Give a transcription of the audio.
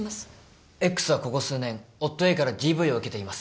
Ｘはここ数年夫ＡからＤＶを受けています。